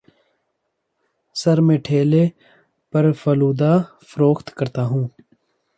سر میں ٹھیلے پر فالودہ فروخت کرتا ہوں